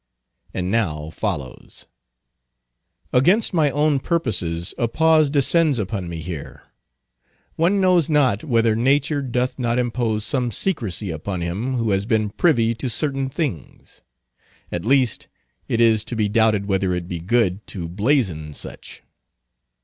And now follows— Against my own purposes a pause descends upon me here. One knows not whether nature doth not impose some secrecy upon him who has been privy to certain things. At least, it is to be doubted whether it be good to blazon such.